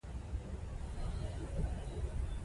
ازادي راډیو د تعلیم پرمختګ او شاتګ پرتله کړی.